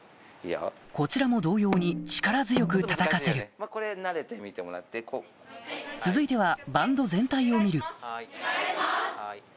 こちらも同様に力強くたたかせる続いてはバンド全体を見るお願いします！